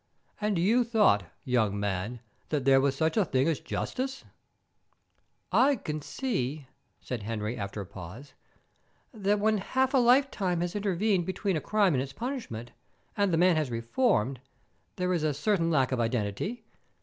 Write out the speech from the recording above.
And you thought, young man, that there was such a thing as justice !" "I can see," said Henry, after a pause, "that when half a lifetime has intervened between a crime and its punishment, and the man has reformed, there is a certain lack of identity.